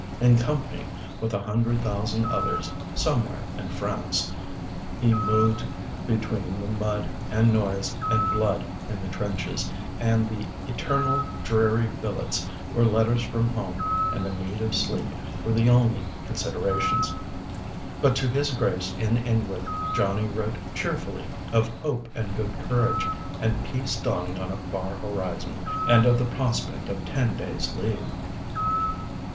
In company with a hundred thousand others "somewhere in France," he moved between the mud and noise and blood in the trenches, and the eternal dreary billets where letters from home and the need of sleep were the only considerations. But to his Grace in England Johnnie wrote cheerily, of hope and good courage, and peace dawning on a far horizon, and of the prospect of ten days' leave.